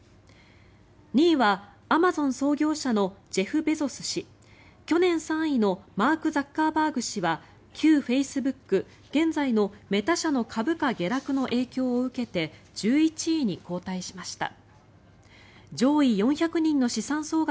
２位はアマゾン創業者のジェフ・ベゾス氏去年３位のマーク・ザッカーバーグ氏は旧フェイスブック現在のメタ社の株価下落の影響を受けて１１位に後退しました。